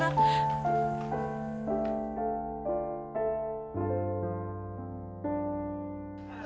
ya kan yuk